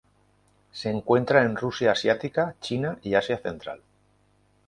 Se encuentra en Rusia asiática, China y Asia central.